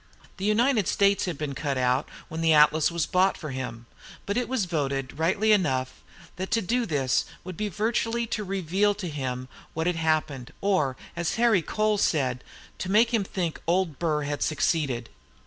The United States had been cut out when the atlas was bought for him. But it was voted, rightly enough, that to do this would be virtually to reveal to him what had happened, or, as Harry Cole said, to make him think Old Burr had succeeded.